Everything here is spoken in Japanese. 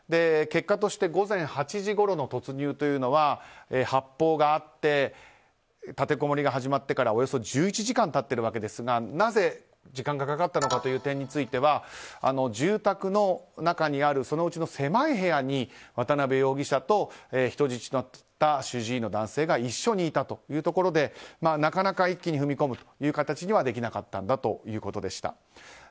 結果として午前８時ごろの突入というのは発砲があって立てこもりが始まってからおよそ１１時間経っているわけですがなぜ、時間がかかったのかという点については住宅の中にあるそのうちの狭い部屋に渡辺容疑者と人質となった主治医の男性が一緒にいたというところでなかなか一気に踏み込むという形にはできなかったということでした。